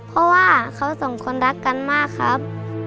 เพราะว่าเขาสองคนรักกันมากครับ